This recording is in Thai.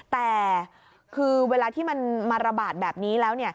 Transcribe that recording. แต่คือเวลาที่มันมาระบาดแบบนี้แล้ว